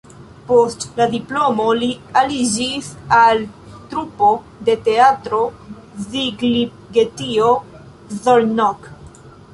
Post la diplomo li aliĝis al trupo de Teatro Szigligeti (Szolnok).